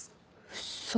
ウソ。